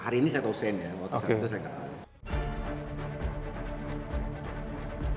hari ini saya tahu shane ya waktu saat itu saya tidak tahu